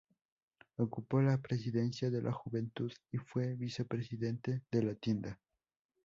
Ocupó la presidencia de la Juventud y fue vicepresidente de la tienda.